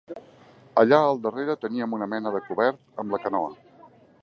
Allà al darrere teníem una mena de cobert amb la canoa.